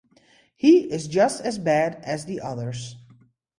He is just as bad as the others.